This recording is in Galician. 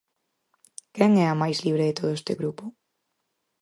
Quen é a máis libre de todo este grupo?